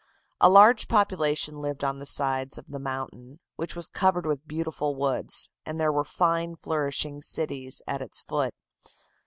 A large population lived on the sides of the mountain, which was covered with beautiful woods, and there were fine flourishing cities at its foot.